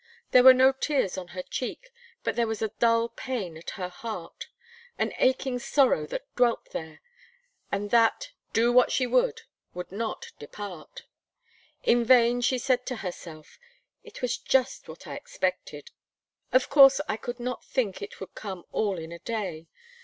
There were no tears on her cheek, but there was a dull pain at her heart; an aching sorrow that dwelt there, and that do what she would would not depart. In vain she said to herself "It was just what I expected; of course, I could not think it would come all in a day.